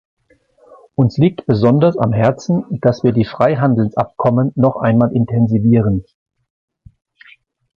Uns liegt besonders am Herzen, dass wir die Freihandelsabkommen noch einmal intensivieren.